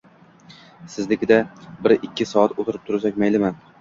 Siznikida bir-ikki soat o`tirib tursak maylimi